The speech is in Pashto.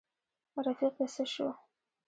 رفیق دي څه شو.